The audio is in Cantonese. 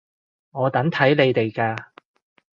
我等睇你哋㗎